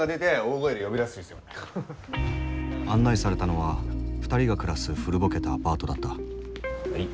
案内されたのは２人が暮らす古ぼけたアパートだった。